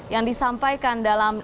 yang disampaikan dalam